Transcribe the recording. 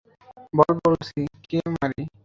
বল বলছি, কে মারি?